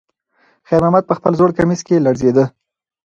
خیر محمد په خپل زوړ کمیس کې لړزېده.